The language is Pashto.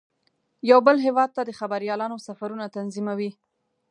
یو بل هیواد ته د خبریالانو سفرونه تنظیموي.